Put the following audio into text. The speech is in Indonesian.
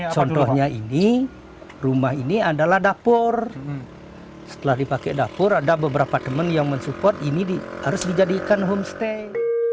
contohnya ini rumah ini adalah dapur setelah dipakai dapur ada beberapa teman yang mensupport ini harus dijadikan homestay